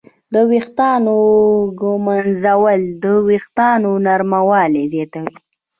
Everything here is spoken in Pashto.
د ویښتانو ږمنځول د وېښتانو نرموالی زیاتوي.